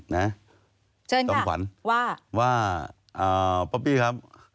เปร้องปี้ครับ